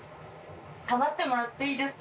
かまってもらってもいいですか？